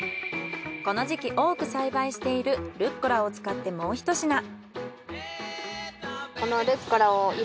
この時期多く栽培しているルッコラを使ってもうひと品。